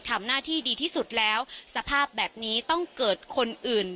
ทำหน้าที่ดีที่สุดแล้วสภาพแบบนี้ต้องเกิดคนอื่น